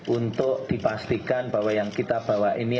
untuk dipastikan bahwa yang kita bawa ini